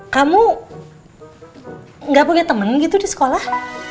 kamu gak punya temen gitu di sekolah